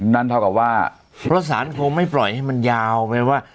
นั่นเท่ากับว่าเพราะสารคงไม่ปล่อยให้มันยาวแปลว่า